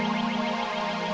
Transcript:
aku benar benar cinta sama kamu